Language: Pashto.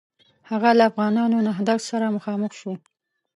هغه له افغانانو نهضت سره مخامخ شو.